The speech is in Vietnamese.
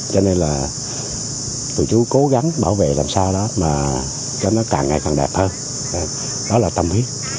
cho nên là tù chú cố gắng bảo vệ làm sao đó mà cho nó càng ngày càng đẹp hơn đó là tâm huyết